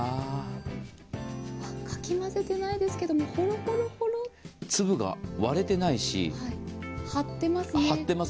かき混ぜてないですけどほろほろほろ粒が割れてないし、張ってます。